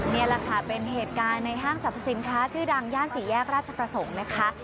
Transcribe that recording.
นี่แหละค่ะเป็นเหตุการณ์ในห้างสรรพสินค้าชื่อดังย่านสี่แยกราชประสงค์นะคะ